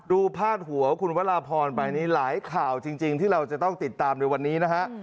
พาดหัวคุณวราพรไปนี่หลายข่าวจริงที่เราจะต้องติดตามในวันนี้นะฮะ